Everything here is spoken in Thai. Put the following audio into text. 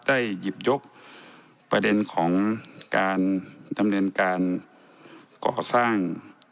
ได้หยิบยกประเด็นของการดำเนินการก่อสร้าง